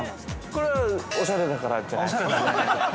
◆これ、おしゃれだからじゃないですか。